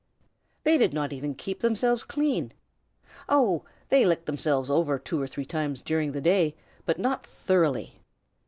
They did not even keep themselves clean. Oh, they licked themselves over two or three times during the day, but not thoroughly.